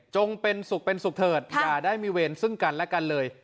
เป็นสุขเป็นสุขเถิดอย่าได้มีเวรซึ่งกันและกันเลย